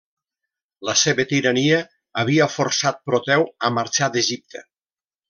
La seva tirania havia forçat Proteu a marxar d'Egipte.